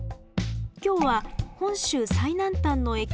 今日は本州最南端の駅串本へ。